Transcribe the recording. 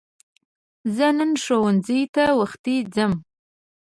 زه نن ښوونځی ته وختی ځم